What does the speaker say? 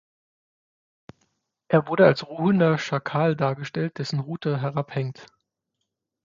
Er wurde als ruhender Schakal dargestellt, dessen Rute herabhängt.